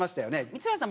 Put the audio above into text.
光浦さん